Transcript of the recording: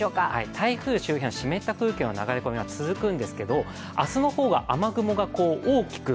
台風周辺は湿った空気の流れ込みが続くんですけども、明日の方が雨雲が大きく